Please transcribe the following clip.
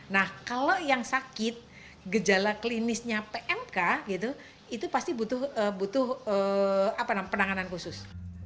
nah kalau yang sakit gejala klinisnya pmk gitu itu pasti butuh penanganan khusus